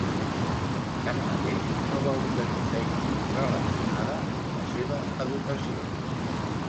Tanmateix, no va obtenir feina relacionada amb la seva educació.